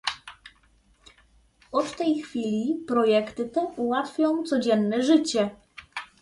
Od tej chwili projekty te ułatwią codzienne życie